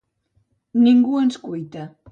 Ningú ens cuita.